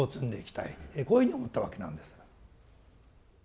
こういうふうに思ったわけなんです。